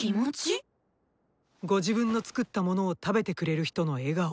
ご自分の作ったものを食べてくれる人の笑顔